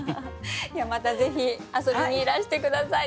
またぜひ遊びにいらして下さい。